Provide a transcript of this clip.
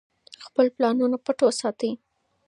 خپل پلانونه پټ وساتئ.